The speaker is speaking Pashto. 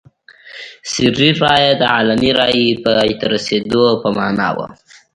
سري رایه د علني رایې پای ته رسېدو په معنا وه.